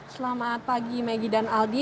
selamat pagi maggie dan aldi